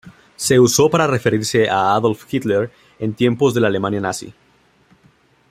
Se usó para referirse a Adolf Hitler en tiempos de la Alemania nazi.